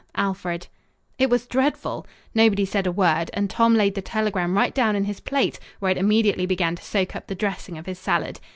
ALFRED." It was dreadful! Nobody said a word, and Tom laid the telegram right down in his plate, where it immediately began to soak up the dressing of his salad.